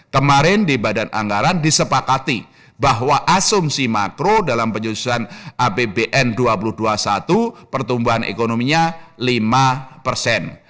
kemarin di badan anggaran disepakati bahwa asumsi makro dalam penyusunan apbn dua ribu dua puluh satu pertumbuhan ekonominya lima persen